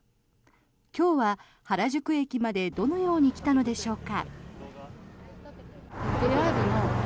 今日は原宿駅までどのように来たのでしょうか。